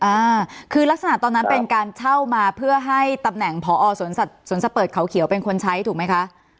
อ่าคือลักษณะตอนนั้นเป็นการเช่ามาเพื่อให้ตำแหน่งพอสวนสัตว์สวนสัตว์เปิดเขาเขียวเป็นคนใช้ถูกไหมคะ